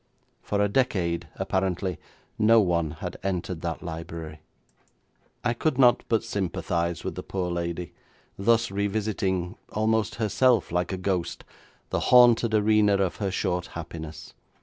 For a decade apparently no one had entered that library. I could not but sympathise with the poor lady, thus revisiting, almost herself like a ghost, the haunted arena of her short happiness.